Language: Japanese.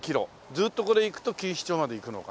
ずっとこれ行くと錦糸町まで行くのかな。